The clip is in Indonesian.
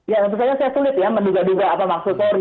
ya tentu saja saya sulit ya menduga duga apa maksud polri